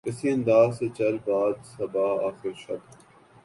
اسی انداز سے چل باد صبا آخر شب